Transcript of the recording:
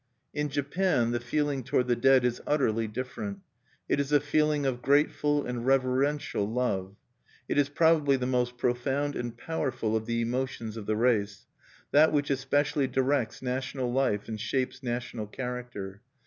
In Japan the feeling toward the dead is utterly different. It is a feeling of grateful and reverential love. It is probably the most profound and powerful of the emotions of the race, that which especially directs national life and shapes national character.